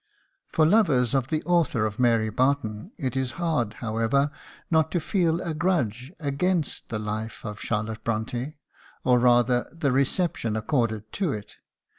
For lovers of the author of "Mary Barton" it is hard, however, not to feel a grudge against the "Life of Charlotte Bront├½" or, rather, the reception accorded to it.